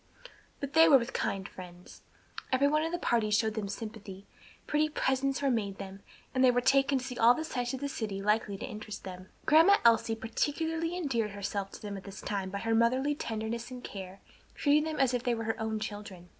But they were with kind friends. Every one in the party showed them sympathy, pretty presents were made them, and they were taken to see all the sights of the city likely to interest them. Grandma Elsie particularly endeared herself to them at this time by her motherly tenderness and care, treating them as if they were her own children.